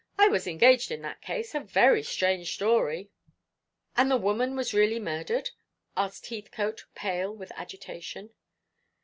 "I was engaged in that case. A very strange story." "And the woman was really murdered?" asked Heathcote, pale with agitation.